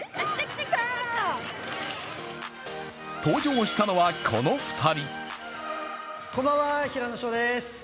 登場したのは、この２人。